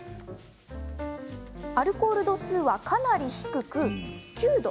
アルコール度数は、かなり低く９度。